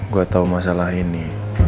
gue tahu masalah ini